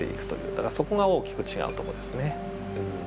だからそこが大きく違うとこですね。